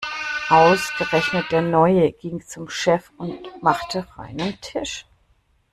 Ausgerechnet der Neue ging zum Chef und machte reinen Tisch.